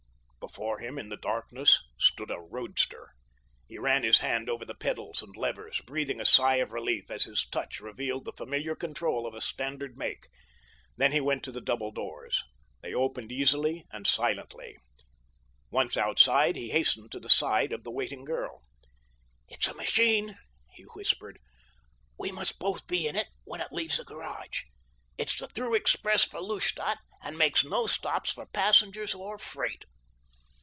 Before him, in the darkness, stood a roadster. He ran his hand over the pedals and levers, breathing a sigh of relief as his touch revealed the familiar control of a standard make. Then he went to the double doors. They opened easily and silently. Once outside he hastened to the side of the waiting girl. "It's a machine," he whispered. "We must both be in it when it leaves the garage—it's the through express for Lustadt and makes no stops for passengers or freight."